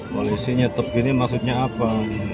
polisi nyetek gini maksudnya apa